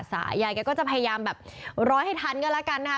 ยายแกก็จะพยายามแบบร้อยให้ทันก็แล้วกันนะคะ